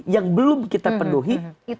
yang belum kita penuhi